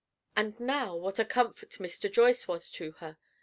And now what a comfort Mr. Joyce was to her!